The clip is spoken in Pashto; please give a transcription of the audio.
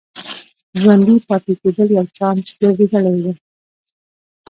ژوندي پاتې کېدل یو چانس ګرځېدلی و.